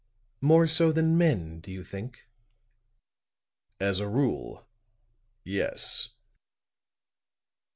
"More so than men, do you think?" "As a rule yes."